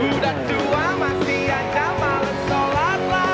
udah tua masih aja males sholat lah